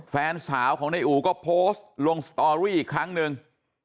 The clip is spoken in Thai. แฟนสาวของนายอู่ก็โพสต์ลงสตอรี่อีกครั้งหนึ่ง